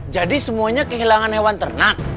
jadi semuanya kehilangan hewan ternak